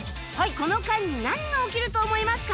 この缶に何が起きると思いますか？